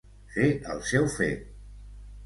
Fer el seu fet.